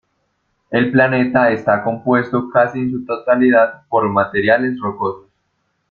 El planeta está compuesto casi en su totalidad por materiales rocosos.